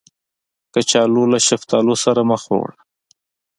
کچالو له شفتالو سره مه خوړه